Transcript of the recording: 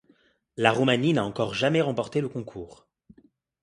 La Roumanie n'a encore jamais remporté le concours.